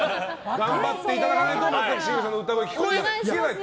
頑張っていただかないと松崎しげるさんの歌が聴けない。